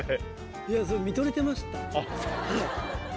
いや見とれてました。